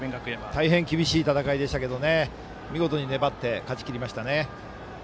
大変厳しい戦いでしたが見事に粘って勝ちきりましたね。